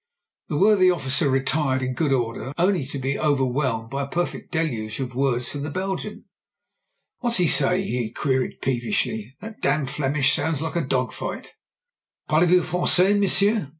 The worthy officer retired in good order, only to be overwhelmed by a perfect deluge of words from the Belgian. "What's he say?" he queried, peevishly. "That damn Flemish sounds like a dog fight." "Parlez vous Frangais, monsieur?"